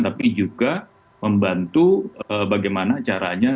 tapi juga membantu bagaimana caranya